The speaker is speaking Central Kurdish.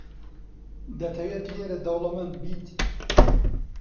دەتەوێت لێرە دەوڵەمەند بیت؟